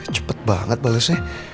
cepet banget balesnya